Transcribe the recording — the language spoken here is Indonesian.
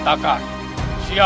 siapa yang sudah menyerah